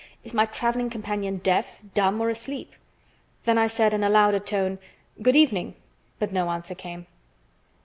"Is my traveling companion deaf, dumb, or asleep?" Then I said in a louder tone: "Good evening," but no answer came.